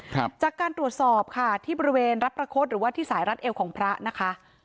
ครับจากการตรวจสอบค่ะที่บริเวณรับประคดหรือว่าที่สายรัดเอวของพระนะคะ